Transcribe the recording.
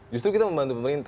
justru kita membantu pemerintah